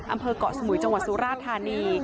อำเภอกเกาะสมุยจังหวัดสุราธานี